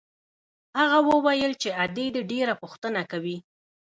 هغه وويل چې ادې دې ډېره پوښتنه کوي.